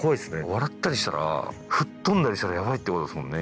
笑ったりしたら吹っ飛んだりしたらヤバいってことですもんね